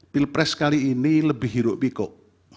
pilpres kali ini lebih hiruk pikuk